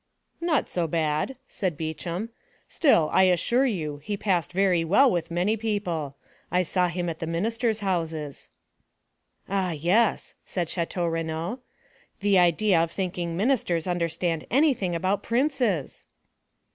"Not so bad," said Beauchamp; "still, I assure you, he passed very well with many people; I saw him at the ministers' houses." "Ah, yes," said Château Renaud. "The idea of thinking ministers understand anything about princes!"